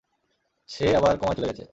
সে আবার কোমায় চলে গেছে।